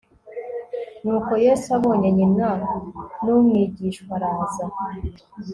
nuko yesu abonye nyina n umwigishwa araza